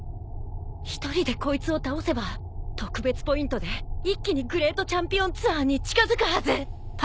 １人でこいつを倒せば特別ポイントで一気にグレートチャンピオンツアーに近づくはず！